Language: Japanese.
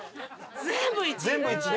全部「１」ね。